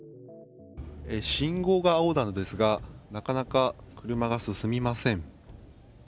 信号が青なんですがなかなか車が進みません。